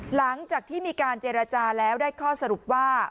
หลังจากที่มีการเจรจาแล้วได้ข้อสรุปว่า